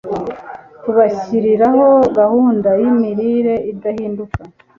tubashyiriraho gahunda yimirire idahinduka